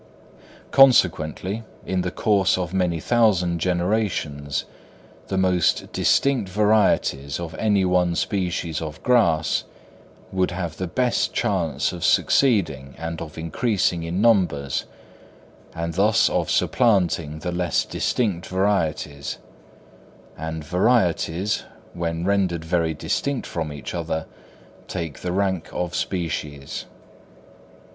Consequently, in the course of many thousand generations, the most distinct varieties of any one species of grass would have the best chance of succeeding and of increasing in numbers, and thus of supplanting the less distinct varieties; and varieties, when rendered very distinct from each other, take the rank of species.